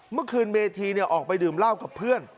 เมื่อคืนเมธีออกไปดื่มเหล้ากับเพื่อน